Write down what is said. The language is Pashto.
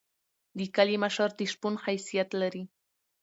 د کلی مشر د شپون حیثیت لري.